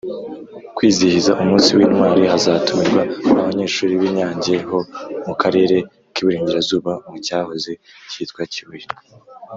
kwizihiza umunsi w’intwari hazatumirwa abanyeshuri b’I Nyange ho mu karere k’iburengerazuba mucyahoze cyitwa Kibuye.